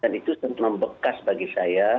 dan itu memang bekas bagi saya